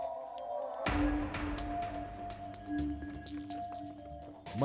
yang berterus terusan melakukan siraman